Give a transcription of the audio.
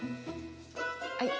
はい。